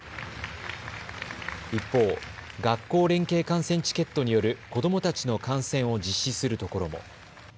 一方、学校連携観戦チケットによる子どもたちの観戦を実施するところも。